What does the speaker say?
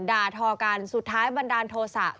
ด่าทอกันสุดท้ายบันดาลโทษะ